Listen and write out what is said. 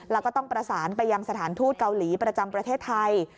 แล้วก็ต้องประสานไปยังสถานทูตเกาหลีประจำประเทศไทย